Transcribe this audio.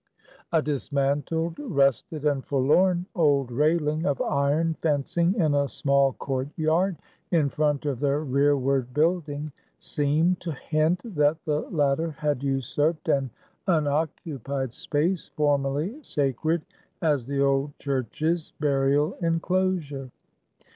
A dismantled, rusted, and forlorn old railing of iron fencing in a small courtyard in front of the rearward building, seemed to hint, that the latter had usurped an unoccupied space formerly sacred as the old church's burial inclosure.